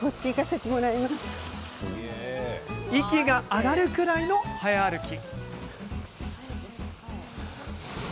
息が上がるくらいの早歩き。